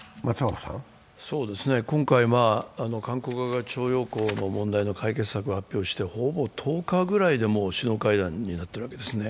今回は韓国側が徴用工問題の解決策を発表してほぼ１０日ぐらいで首脳会談になっているわけですね。